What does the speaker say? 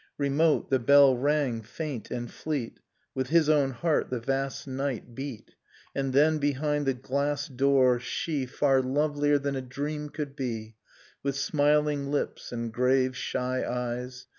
Remote, the bell rang: faint and fleet: With his own heart the vast night beat : And then, behind the glass door, she. Far lovelier than a dream could be, With smiling lips and grave shy eyes.